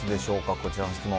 こちらの質問。